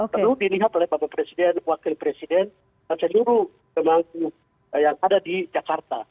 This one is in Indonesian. perlu dilihat oleh bapak presiden wakil presiden dan seluruh pemangku yang ada di jakarta